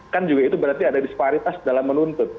kan juga itu berarti ada disparitas dalam menuntut